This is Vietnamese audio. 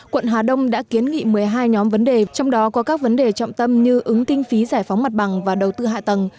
quận hà đông đã kiến nghị một mươi hai nhóm vấn đề trong đó có các vấn đề trọng tâm như ứng kinh phí giải phóng mặt bằng và đầu tư hạ tầng